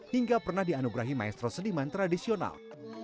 hingga pernah dianugerahi maestro seniman tradisional